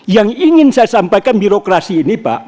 yang ingin saya sampaikan birokrasi ini pak